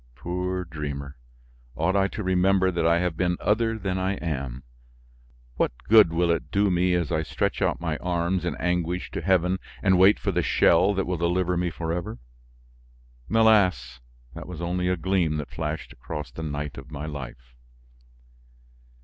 Poor dreamer! Ought I to remember that I have been other than I am? What good will it do me as I stretch out my arms in anguish to heaven and wait for the shell that will deliver me forever. Alas! that was only a gleam that flashed across the night of my life.